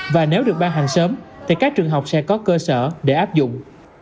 và nếu được ban hành sớm thì các trường học sẽ có cơ sở để áp dụng